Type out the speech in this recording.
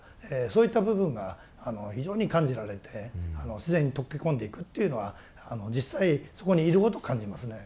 そういった部分が非常に感じられて自然に溶け込んでいくっていうのは実際そこにいることを感じますね。